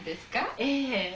ええ。